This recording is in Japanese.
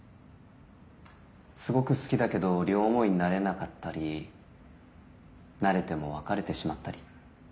すごく好きだけど両思いになれなかったりなれても別れてしまったり。